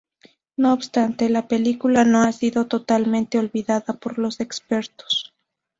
No obstante, la película no ha sido totalmente olvidada por los expertos.